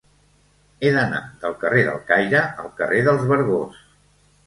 He d'anar del carrer del Caire al carrer dels Vergós.